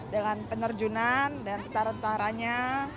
dengan penerjunan dan ketar taranya